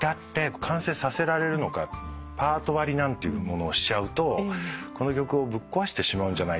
パート割りなんていうものをしちゃうとこの曲をぶっ壊してしまうんじゃないか。